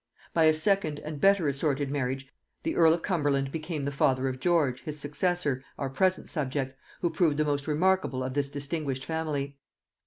By a second and better assorted marriage, the earl of Cumberland became the father of George, his successor, our present subject, who proved the most remarkable of this distinguished family.